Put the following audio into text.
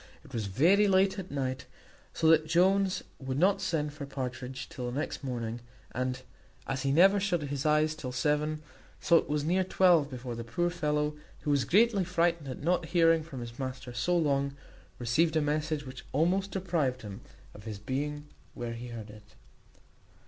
It was very late at night, so that Jones would not send for Partridge till the next morning; and, as he never shut his eyes till seven, so it was near twelve before the poor fellow, who was greatly frightened at not hearing from his master so long, received a message which almost deprived him of his being when he heard it.